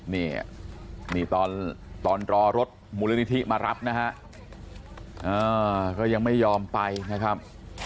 นี่นี่ตอนรอรถมูลนิธิมารับนะฮะก็ยังไม่ยอมไปนะครับ